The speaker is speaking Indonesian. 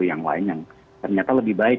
yang lain yang ternyata lebih baik